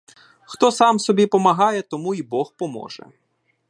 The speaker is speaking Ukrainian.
Хто сам собі помагає, тому й бог поможе!